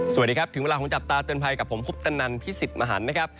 สวัสดีครับถึงเวลาของจับตาเตือนภัยกับผมคุปตนันพิสิทธิ์มหันนะครับ